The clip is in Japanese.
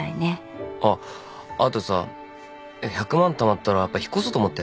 あっあとさ１００万たまったらやっぱ引っ越そうと思って。